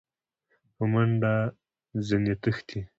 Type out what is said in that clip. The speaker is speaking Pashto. په منډه ځني تښتي !